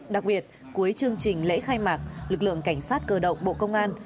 đặc biệt cuối chương trình lễ khai mạc lực lượng cảnh sát cơ động bộ công an